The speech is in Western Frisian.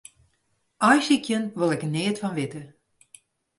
Aaisykjen wol ik neat fan witte.